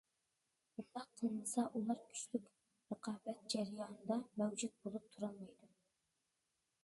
ئۇنداق قىلمىسا، ئۇلار كۈچلۈك رىقابەت جەريانىدا مەۋجۇت بولۇپ تۇرالمايدۇ.